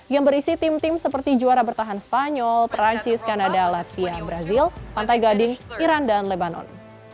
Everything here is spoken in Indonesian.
yang berisi tim tim seperti juara bertahan spanyol perancis kanada latvia brazil pantai gading iran dan lebanon